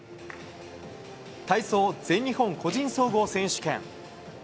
体操全日本個人総合選手権。